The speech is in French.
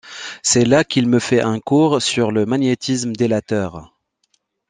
C'est là qu'il me fait un cours sur le magnétisme délateur.